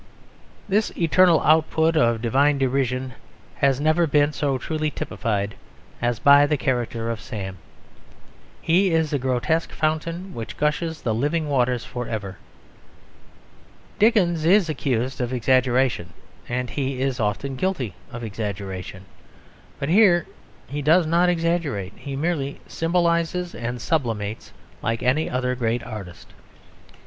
This eternal output of divine derision has never been so truly typified as by the character of Sam; he is a grotesque fountain which gushes the living waters for ever. Dickens is accused of exaggeration and he is often guilty of exaggeration; but here he does not exaggerate: he merely symbolises and sublimates like any other great artist.